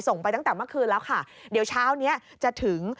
ไปตั้งแต่เมื่อคืนแล้วค่ะเดี๋ยวเช้านี้จะถึง